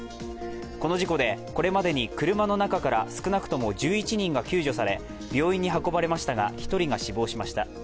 この事故でこれまでに車の中から少なくとも１１人が救助され病院に運ばれましたが１人が死亡しました。